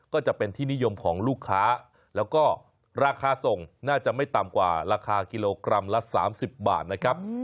ก็จะเป็นที่นิยมของลูกค้าแล้วก็ราคาส่งน่าจะไม่ต่ำกว่าราคากิโลกรัมละ๓๐บาทนะครับ